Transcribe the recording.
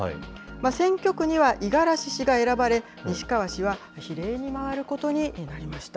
選挙区には五十嵐氏が選ばれ、西川氏は比例に回ることになりました。